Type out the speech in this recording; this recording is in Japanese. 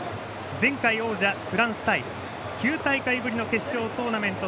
前回王者、フランス対９大会ぶりの決勝トーナメント